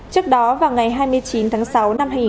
trước đó vào ngày hai mươi chín tháng sáu năm hai nghìn một mươi chín